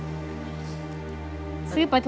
สวัสดีครับ